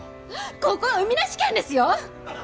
ここは海なし県ですよ！？